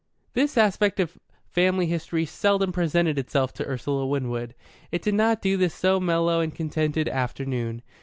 This aspect of family history seldom presented itself to Ursula Winwood. It did not do so this mellow and contented afternoon.